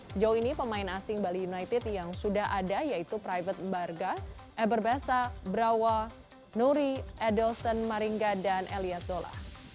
sejauh ini pemain asing bali united yang sudah ada yaitu private barga eberbessa brawa nuri edelson maringga dan elias dola